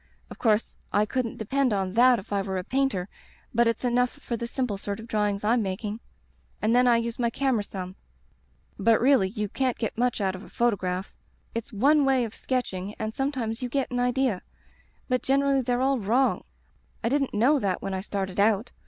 Of course I couldn't depend on that if I were a painter, but it's enough for the simple sort of drawings I'm making. And then I use my camera some, but really you can't get much Digitized by LjOOQ IC Interventions out of a photograph; it's one way of sketch ing and sometimes you get an idea, but gen erally theyVe all wrong. I didn't know that when I started out.